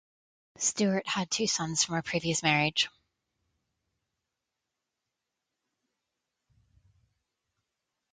Stewart had two sons from a previous marriage.